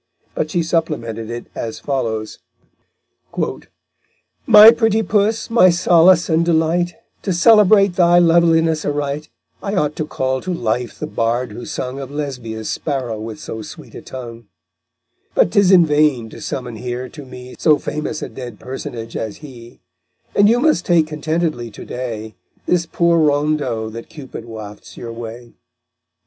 But she supplemented it as follows: _My pretty puss, my solace and delight, To celebrate thy loveliness aright I ought to call to life the bard who sung Of Lesbia's sparrow with so sweet a tongue; But 'tis in vain to summon here to me So famous a dead personage as he, And you must take contentedly to day This poor rondeau that Cupid wafts your way_.